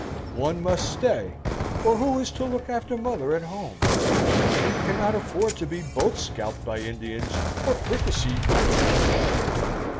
"One must stay, or who is to look after mother at home? We cannot afford to be both scalped by Indians or fricasseed by French."